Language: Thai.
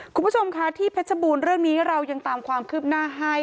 คุณผู้ชมค่ะที่เพชรบูรณ์เรื่องนี้เรายังตามความคืบหน้าให้